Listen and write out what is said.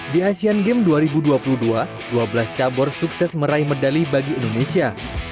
di asean games dua ribu dua puluh dua dua belas cabur sukses meraih medali bagi indonesia